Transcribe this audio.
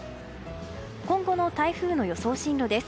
今後の台風の予想進路です。